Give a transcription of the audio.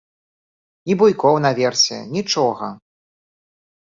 Ні буйкоў наверсе, нічога!